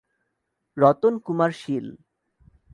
Ratan Kumar Shil